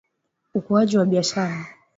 Ukuaji wa Biashara